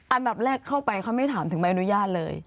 อันดับแรกเข้าไปเขาไม่ถามถึงใบอนุญาตเลย